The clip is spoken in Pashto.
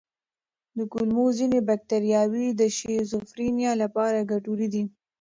د کولمو ځینې بکتریاوې د شیزوفرینیا لپاره ګټورې دي.